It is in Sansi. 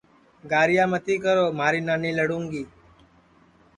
گاہرِیا متی کرو مھاری نانی لڑُوں گی